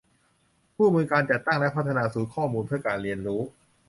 คู่มือการจัดตั้งและพัฒนาศูนย์ข้อมูลเพื่อการเรียนรู้